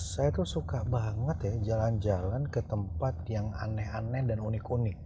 saya tuh suka banget ya jalan jalan ke tempat yang aneh aneh dan unik unik